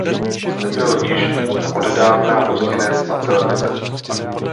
Zde byl již odedávna hostinec a celnice.